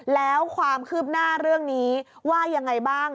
แล้วความคืบหน้าเรื่องนี้ว่ายังไงบ้าง